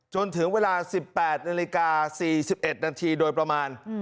จนถึงเวลา๑๘นาฬิกา๔๑นาทีโดยประมาณ